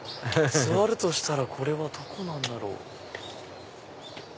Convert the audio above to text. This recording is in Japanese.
座るとしたらどこなんだろう？